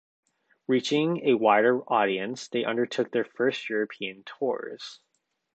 Reaching a wider audience, they undertook their first European tours.